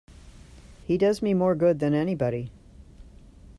He does me more good than anybody.